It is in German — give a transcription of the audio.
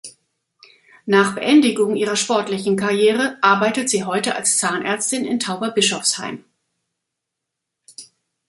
Nach Beendigung ihrer sportlichen Karriere arbeitet sie heute als Zahnärztin in Tauberbischofsheim.